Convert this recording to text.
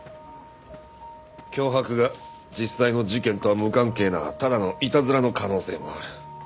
脅迫が実際の事件とは無関係なただのいたずらの可能性もある。